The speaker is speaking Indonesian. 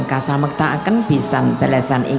ketika kita akan bisa belajar ini